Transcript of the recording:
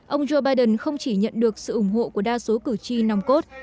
ông joe biden không chỉ nhận được sự ủng hộ của đa số cử tri nòng cốt